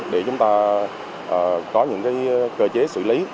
để chúng ta có những cơ chế xử lý